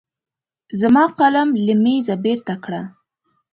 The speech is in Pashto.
زما قلم له مېزه بېرته کړه.